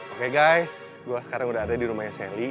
oke guys gue sekarang udah ada di rumahnya sally